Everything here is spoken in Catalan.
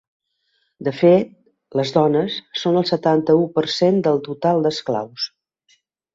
De fet, les dones són el setanta-u per cent del total d’esclaus.